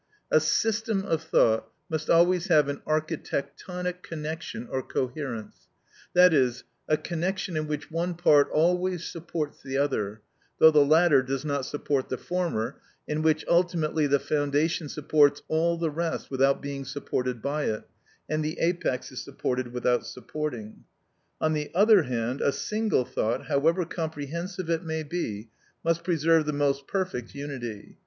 A system of thought must always have an architectonic connection or coherence, that is, a connection in which one part always supports the other, though the latter does not support the former, in which ultimately the foundation supports all the rest without being supported by it, and the apex is supported without supporting. On the other hand, a single thought, however comprehensive it may be, must preserve the most perfect unity.